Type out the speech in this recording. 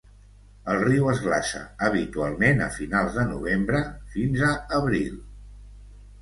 El riu es glaça habitualment a finals de novembre fins a abril.